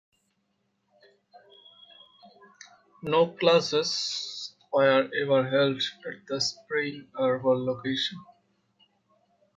No classes were ever held at the Spring Arbor location.